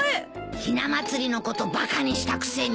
ひな祭りのことバカにしたくせに。